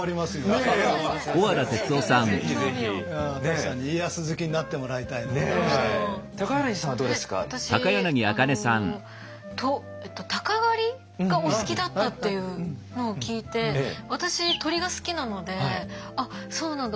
私あの鷹狩りがお好きだったっていうのを聞いて私鳥が好きなのであっそうなんだ